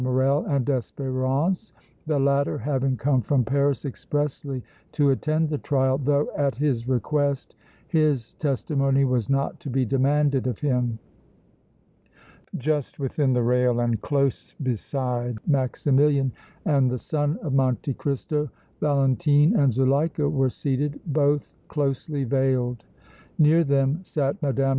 Morrel and Espérance, the latter having come from Paris expressly to attend the trial, though at his request his testimony was not to be demanded of him. Just within the rail and close beside Maximilian and the son of Monte Cristo Valentine and Zuleika were seated, both closely veiled. Near them sat Mme.